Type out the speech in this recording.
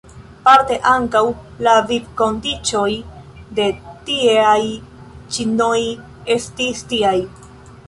Parte ankaŭ la vivkondiĉoj de tieaj ĉinoj estis tiaj.